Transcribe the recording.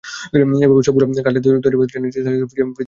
এভাবে সবগুলো কাটলেট তৈরি করে ট্রেতে সাজিয়ে ফ্রিজে রেখে দিন কিছুক্ষণ।